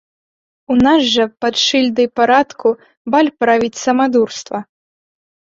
У нас жа пад шыльдай парадку баль правіць самадурства.